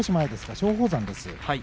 松鳳山です。